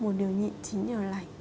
một điều nhịn chính là lạnh